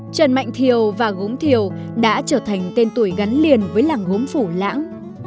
trần mạnh thiều và gốm thiều đã trở thành tên tuổi gắn liền với làng gốm phủ lãng